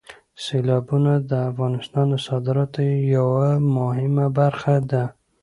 سیلابونه د افغانستان د صادراتو یوه مهمه برخه ده.